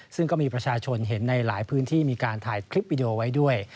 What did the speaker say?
ซึ่งก็มีประชาชนเห็นในหลายพื้นที่มีการถ่ายคลิปวิดีโอไว้ด้วย